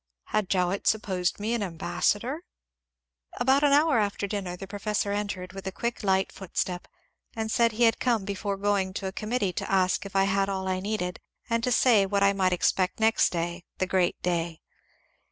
Had Jowett supposed me an ambas sador ? About an hour after dinner the professor entered with a PROFESSOR JOWETT 317 quick, light footstep, and said he had come before going to a committee to ask if I had all I needed, and to say what I might expect next day — the great day.